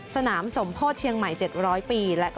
สมโพธิเชียงใหม่๗๐๐ปี